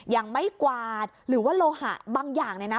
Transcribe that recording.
ยังไม้กวาดหรือว่าโลหะบางอย่างเลยนะ